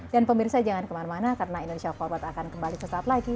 dan pemirsa jangan kemana mana karena indonesia forbidden akan kembali sesaat lagi